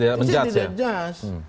itu tidak di jad